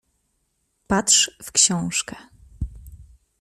Patrz w książkę.